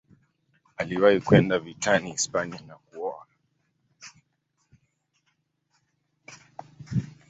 Aliwahi kwenda vitani Hispania na kuoa.